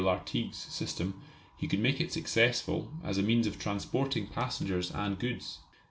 Lartigue's system he could make it successful as a means of transporting passengers and goods.